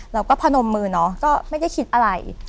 พนมมือเนาะก็ไม่ได้คิดอะไร